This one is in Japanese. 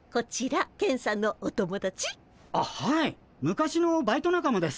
昔のバイト仲間です。